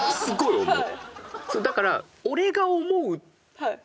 だから。